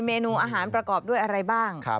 เมนูอาหารประกอบด้วยอะไรบ้าง